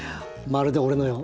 まるで俺のよう。